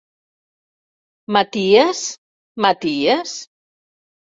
M'aties, Maties?